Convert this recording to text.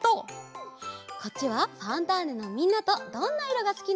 こっちは「ファンターネ！」のみんなと「どんな色がすき」のえ。